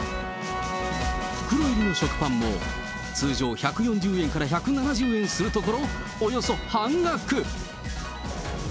袋入りの食パンも、通常１４０円から１７０円するところ、およそ半額。